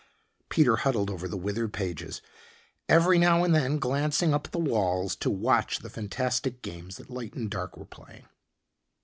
Peter huddled over the withered pages, every now and then glancing up at the walls to watch the fantastic games that light and dark were playing.